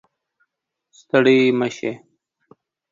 ستړی مشې